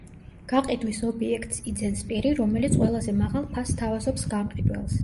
გაყიდვის ობიექტს იძენს პირი, რომელიც ყველაზე მაღალ ფასს სთავაზობს გამყიდველს.